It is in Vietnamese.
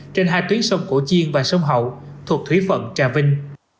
trên hai tuyến sông cổ chiên và sông hậu thuộc thủy phận trà vinh